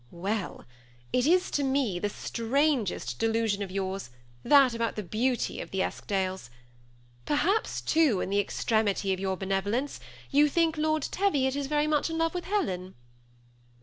" Well, it is to me the strangest delusion of yours — that about the beauty of the Eskdales. Perhaps, too, in the extremity of your benevolence, you think Lord Teviot is very much in love with Helen